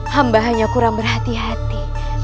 hamba hanya kurang berhati hati